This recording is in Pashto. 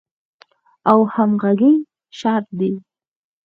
او همغږۍ شرط دی.